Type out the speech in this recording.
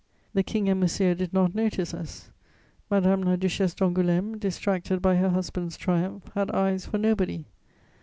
The King and Monsieur did not notice us. Madame la Duchesse d'Angoulême, distracted by her husband's triumph, had eyes for nobody.